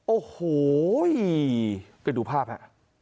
โอ้โหไปดูภาพฮะ